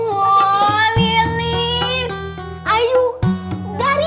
oh pak siti pak siti